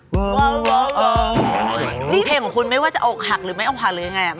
ใจตัวเองได้ไหมแล้วฉันจะฟื้นความรู้สึก